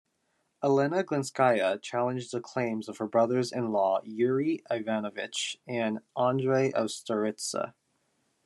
Elena Glinskaya challenged the claims of her brothers-in-law, Yury Ivanovich and Andrey of Staritsa.